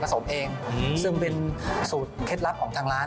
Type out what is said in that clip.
สมเองซึ่งเป็นสูตรเคล็ดลับของทางร้าน